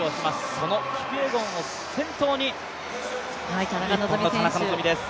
そのキピエゴンを先頭に日本の田中希実です。